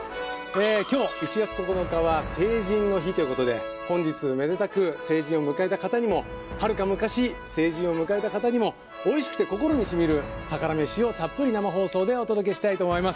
今日１月９日は成人の日ということで本日めでたく成人を迎えた方にもはるか昔、成人を迎えた方にもおいしくて心にしみる宝メシをたっぷり生放送でお届けしたいと思います。